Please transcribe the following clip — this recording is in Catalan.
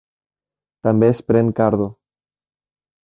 També es pren cardo.